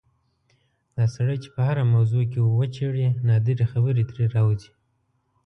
دا سړی چې په هره موضوع کې وچېړې نادرې خبرې ترې راوځي.